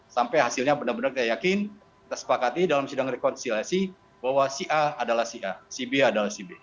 sampai hasilnya benar benar kita yakin kita sepakati dalam sidang rekonsiliasi bahwa si a adalah si a si b adalah si b